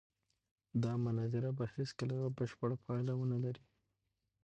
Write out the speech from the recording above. دا مناظره به هېڅکله یوه بشپړه پایله ونه لري.